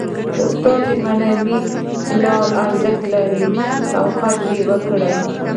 استاد د معنوي پلار ارزښت لري. قدر ئې وکړئ!